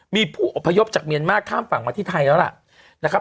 มีผู้อพยพจากเมียนมาข้ามฝั่งมาที่ไทยแล้วล่ะนะครับ